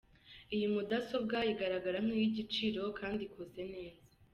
Iyi mudasobwa igaragara nk’iy’igiciro kandi ikoze neza.